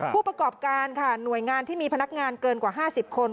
ผู้ประกอบการค่ะหน่วยงานที่มีพนักงานเกินกว่า๕๐คน